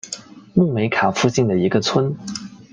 穆梅卡附近的一个村。